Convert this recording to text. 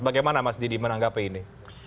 bagaimana mas didi menanggapi ini